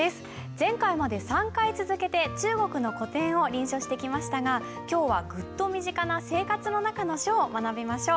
前回まで３回続けて中国の古典を臨書してきましたが今日はグッと身近な「生活の中の書」を学びましょう。